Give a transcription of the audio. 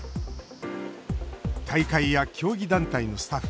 大会や競技団体のスタッフ